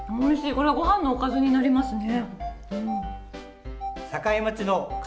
これはごはんのおかずになりますね。